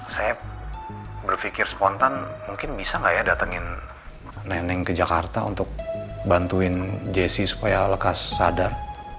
saya berfikir spontan mungkin bisa gak ya datengin neneng ke jakarta untuk bantuin jessy supaya lekas sadar